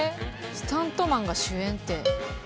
スタントマンが主演って。